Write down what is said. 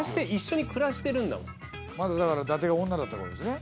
まだだから伊達が女だった頃ですね。